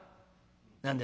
「何です？」。